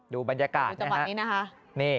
ดูบรรยากาศนะฮะ